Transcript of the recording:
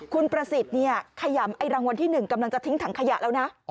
คุณประสิทธิ์เนี่ยขยำรางวัลที่๑กำลังจะทิ้งถังขยะแล้วนะ